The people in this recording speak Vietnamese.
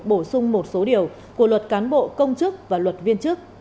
bổ sung một số điều của luật cán bộ công chức và luật viên chức